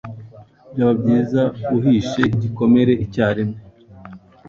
Byaba byiza uhishe igikomere icyarimwe.